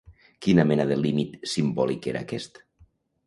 Quina mena de límit simbòlic era aquest?